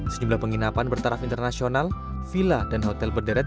sejumlah penginapan bertaraf internasional villa dan hotel berderet